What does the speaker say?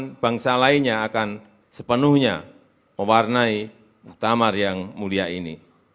bangsa lainnya akan sepenuhnya mewarnai muktamar yang mulia ini